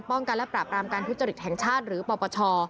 กันและปราบรามการทุจริตแห่งชาติหรือปปช